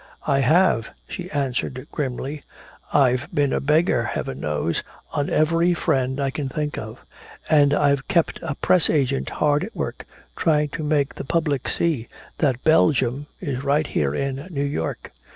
"I have," she answered grimly. "I've been a beggar heaven knows on every friend I can think of. And I've kept a press agent hard at work trying to make the public see that Belgium is right here in New York."